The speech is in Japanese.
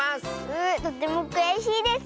とてもくやしいです。